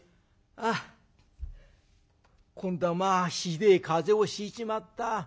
「ああ今度はまあひでえ風邪をひいちまった。